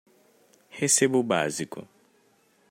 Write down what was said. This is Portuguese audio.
Receba o básico